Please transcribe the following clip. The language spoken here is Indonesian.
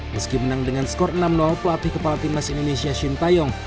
meski menang dengan skor enam pelatih kepala timnas indonesia shin taeyong